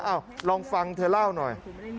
ลองฟังเธอเล่าหน่อย